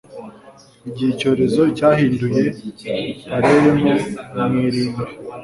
igihe icyorezo cyahinduye palermo mu irimbi